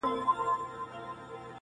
نور به د کابل دحُسن غله شړو-